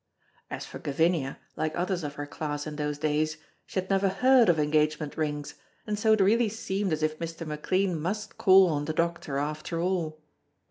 As for Gavinia, like others of her class in those days, she had never heard of engagement rings, and so it really seemed as if Mr. McLean must call on the doctor after all.